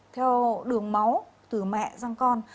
theo đường máu từ mẹ sang con